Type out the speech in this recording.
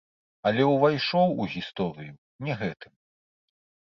Але ўвайшоў у гісторыю не гэтым.